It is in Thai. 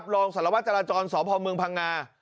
รองสารวัตรจรจรสพพังงา